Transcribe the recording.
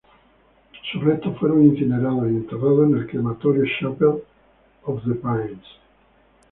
Sus restos fueron incinerados, y enterrados en el Crematorio Chapel Of The Pines.